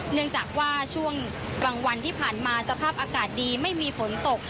เนื่องจากว่าช่วงกลางวันที่ผ่านมาสภาพอากาศดีไม่มีฝนตก